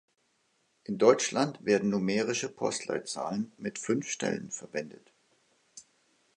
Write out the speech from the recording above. In Deutschland werden numerische Postleitzahlen mit fünf Stellen verwendet.